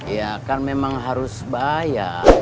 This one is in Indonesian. ya kan memang harus bayar